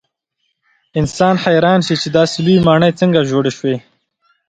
انسان حیران شي چې داسې لویې ماڼۍ څنګه جوړې شوې.